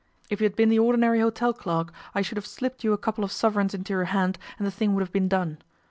If you had been the ordinary hotel clerk I should have slipped you a couple of sovereigns into your hand, and the thing would have been done.